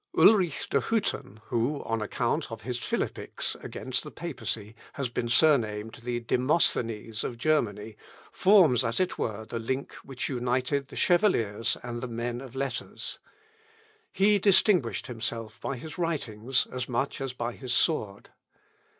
Ulrich de Hütten, who, on account of his philippics against the Papacy, has been surnamed the Demosthenes of Germany, forms, as it were, the link which united the chevaliers and men of letters. He distinguished himself by his writings, as much as by his sword.